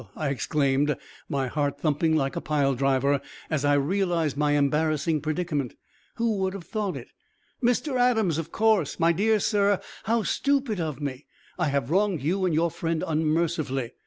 I exclaimed, my heart thumping like a pile driver, as I realized my embarrassing predicament. "Who would have thought it? Mr. Adams, of course! My dear sir, how stupid of me! I have wronged you and your friend unmercifully.